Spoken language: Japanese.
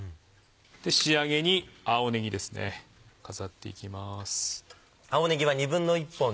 仕上げに青ねぎ飾っていきます。